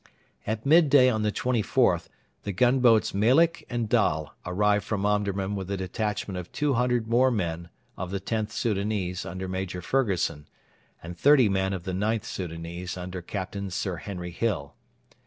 At midday on the 24th the gunboats Melik and Dal arrived from Omdurman with a detachment of 200 more men of the Xth Soudanese under Major Fergusson, and thirty men of the IXth Soudanese under Captain Sir Henry Hill.